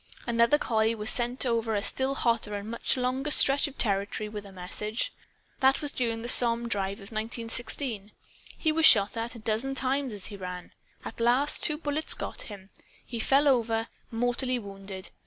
Another collie was sent over a still hotter and much longer stretch of territory with a message. (That was during the Somme drive of 1916.) He was shot at, a dozen times, as he ran. At last two bullets got him. He fell over, mortally wounded.